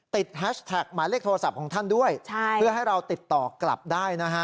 แฮชแท็กหมายเลขโทรศัพท์ของท่านด้วยเพื่อให้เราติดต่อกลับได้นะฮะ